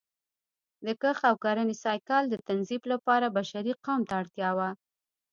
د کښت او کرنې سایکل د تنظیم لپاره بشري قوې ته اړتیا وه